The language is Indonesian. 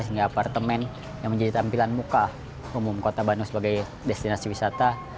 sehingga apartemen yang menjadi tampilan muka umum kota bandung sebagai destinasi wisata